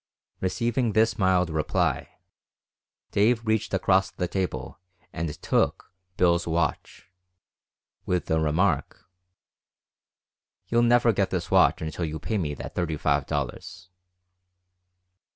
Receiving this mild reply, Dave reached across the table and took Bill's watch, with the remark, "You'll never get this watch until you pay me that thirty five dollars."